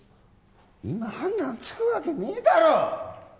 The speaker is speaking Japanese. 今判断つくわけねえだろ！